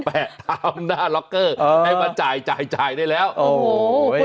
แปะตามหน้าล็อกเกอร์ให้มาจ่ายจ่ายได้แล้วโอ้โห